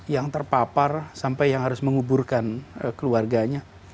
yang terpapar sampai yang harus menguburkan keluarganya